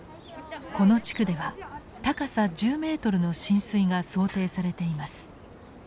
この地区では高さ１０メートルの浸水が想定されています。